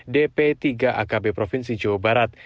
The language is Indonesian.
dp tiga akb provinsi jawa barat